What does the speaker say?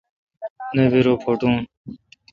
نہ بی رو پوٹون۔